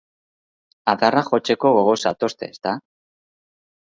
Adarra jotzeko gogoz zatozte, ezta?